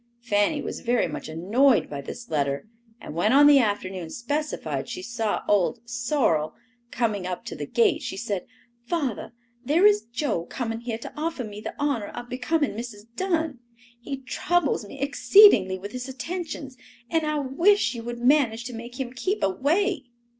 Fanny was very much annoyed by this letter and when on the afternoon specified she saw old "sorrel" coming up to the gate, she said, "Father, there is Joe coming here to offer me the honor of becoming Mrs. Dunn. He troubles me exceedingly with his attentions, and I wish you would manage to make him keep away."